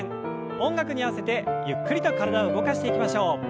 音楽に合わせてゆっくりと体を動かしていきましょう。